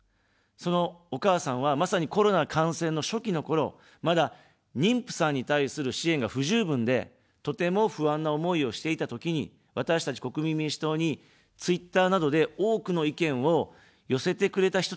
そのお母さんは、まさにコロナ感染の初期のころ、まだ妊婦さんに対する支援が不十分で、とても不安な思いをしていたときに、私たち国民民主党にツイッターなどで多くの意見を寄せてくれた人たちでした。